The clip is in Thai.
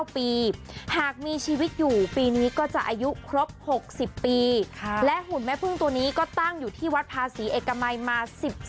หากมีชีวิตอยู่ปีนี้ก็จะอายุครบ๖๐ปีและหุ่นแม่พึ่งตัวนี้ก็ตั้งอยู่ที่วัดภาษีเอกมัยมา๑๔